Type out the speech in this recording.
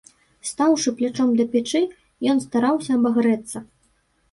Стаўшы плячом да печы, ён стараўся абагрэцца.